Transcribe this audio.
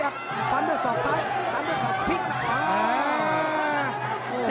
กาดเกมสีแดงเดินแบ่งมูธรุด้วย